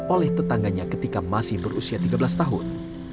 oleh tetangganya ketika masih berusia tiga belas tahun